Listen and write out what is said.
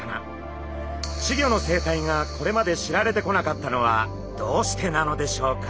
稚魚の生態がこれまで知られてこなかったのはどうしてなのでしょうか？